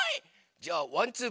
じゃあ「ワンツー！